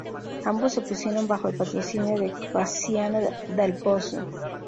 Ambos se pusieron bajo el patrocinio de Cassiano dal Pozzo.